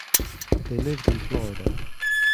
They lived in Florida.